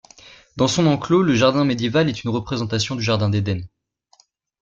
Dans son enclos, le jardin médiéval est une représentation du jardin d'Eden.